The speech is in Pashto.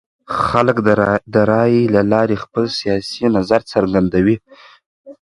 خلک د رایې له لارې خپل سیاسي نظر څرګندوي